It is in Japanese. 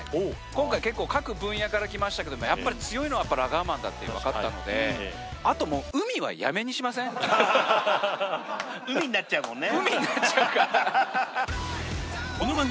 今回結構各分野から来ましたけどもやっぱり強いのはラガーマンだってわかったのであともう海になっちゃうもんね